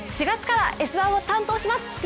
４月から「Ｓ☆１」を担当します